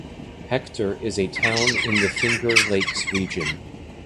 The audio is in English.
Hector is a town in the Finger Lakes region.